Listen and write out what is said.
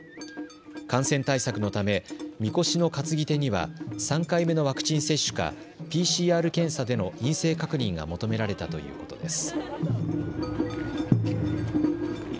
感染対策のため、みこしの担ぎ手には３回目のワクチン接種かＰＣＲ検査での陰性確認が求められたということです。